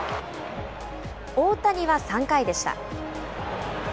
大谷は３回でした。